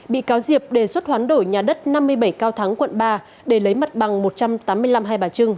bị cáo diệp đề xuất hoán đổi nhà đất năm mươi bảy cao thắng quận ba để lấy mật bằng một trăm tám mươi năm hai bà trưng